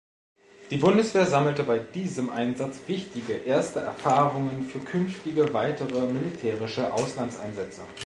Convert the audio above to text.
Die Bundeswehr sammelte bei diesem Einsatz wichtige erste Erfahrungen für künftige weitere militärische Auslandseinsätze.